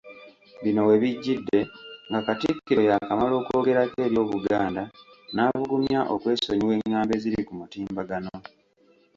Bino we bijjidde, nga Katikkiro yaakamala okwogerako eri Obuganda n'abugumya okwesonyiwa engambo eziri ku mutimbagano.